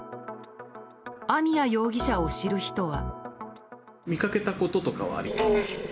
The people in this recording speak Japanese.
網谷容疑者を知る人は。